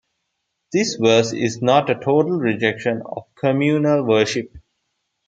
This verse is not a total rejection of communal worship.